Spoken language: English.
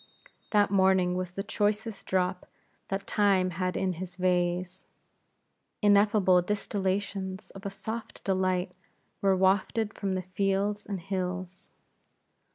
That morning was the choicest drop that Time had in his vase. Ineffable distillations of a soft delight were wafted from the fields and hills.